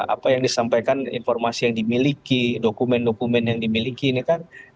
apa yang disampaikan informasi yang dimiliki dokumen dokumen yang dimiliki ini kan